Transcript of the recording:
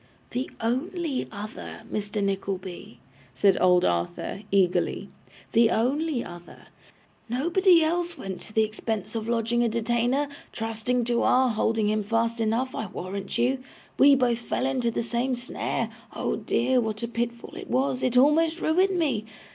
'The only other, Mr. Nickleby,' said old Arthur, eagerly. 'The only other. Nobody else went to the expense of lodging a detainer, trusting to our holding him fast enough, I warrant you. We both fell into the same snare; oh dear, what a pitfall it was; it almost ruined me!